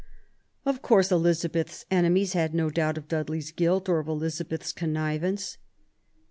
Of course Eliza beth's enemies had no doubt of Dudley's guilt or of Elizabeth's connivance.